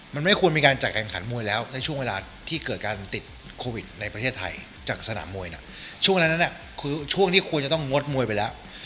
มันไม่ควรมีการจัดการขันมวยแล้วในช่วงเวลาที่เกิดการติดโควิดในประเทศไทยจากสนามมวยน่ะช่วงนั้นคือช่วงที่ควรจะต้องงดมวยไปแล้ว